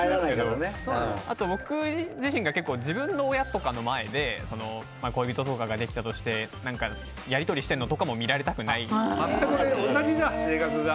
あと僕自身が結構、自分の親とかの前で恋人ができたとしてやり取りしているのも全く同じだ、性格が。